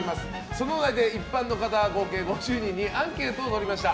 そのお題で一般の方合計５０人にアンケートを取りました。